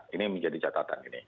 ini menjadi catatan ini